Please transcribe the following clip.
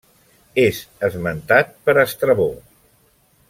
És esmentat per Estrabó.